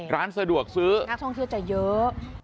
ร้านสะดวกซื้อนักท่องเที่ยวจะเยอะ